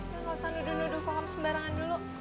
nggak usah nuduh nuduh kokom sembarangan dulu